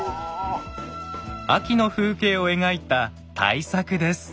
秋の風景を描いた大作です。